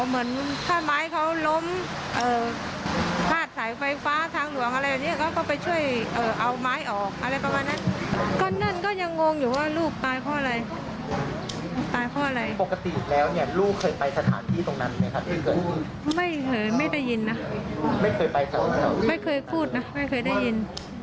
ไม่เคยได้ยินนะไม่เคยพูดนะไม่เคยได้ยิน